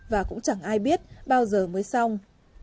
và cũng chẳng ai biết bao giờ mới xong